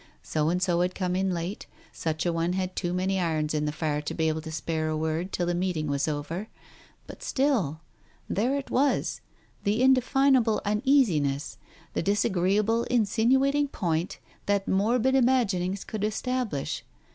So and so had come in late, such a one had too many irons in the fire to be able to spare a word till the meeting was over, but still — there it was, the inde finable uneasiness, the disagreeable insinuating point that morbid imaginings could establish.